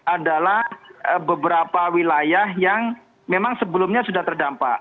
adalah beberapa wilayah yang memang sebelumnya sudah terdampak